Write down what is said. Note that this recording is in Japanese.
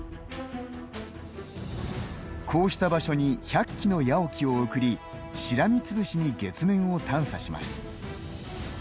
こうした場所に１００機のＹＡＯＫＩを送りしらみつぶしに月面を探査します。